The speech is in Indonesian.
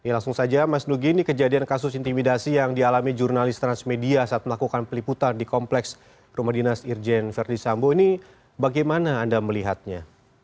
langsung saja mas nugi ini kejadian kasus intimidasi yang dialami jurnalis transmedia saat melakukan peliputan di kompleks rumah dinas irjen verdi sambo ini bagaimana anda melihatnya